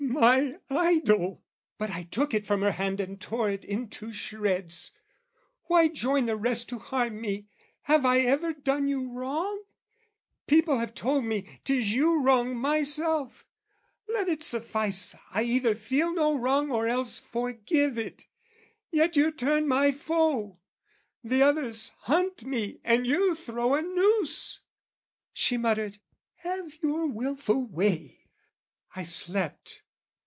"'My idol!'"... But I took it from her hand And tore it into shreds. "Why join the rest "Who harm me? Have I ever done you wrong? "People have told me 'tis you wrong myself: "Let it suffice I either feel no wrong "Or else forgive it, yet you turn my foe! "The others hunt me and you throw a noose!" She muttered, "Have your wilful way!" I slept.